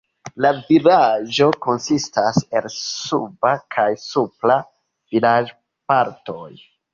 La vilaĝo konsistas el suba kaj supra vilaĝpartoj.